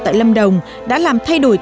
tại lâm đồng đã làm thay đổi